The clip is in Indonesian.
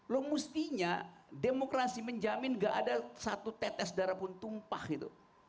lo mestinya demokrasi menjamin gak ada satu tetes darah pun tumpah gitu